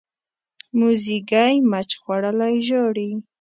موزیګی مچ خوړلی ژاړي.